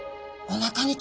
おなかに？